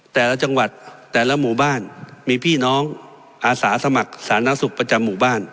แต่ละจังหวัดแต่ละหมู่บ้านมีพี่น้องอาสาสมัครสาธารณสุขประจำหมู่บ้าน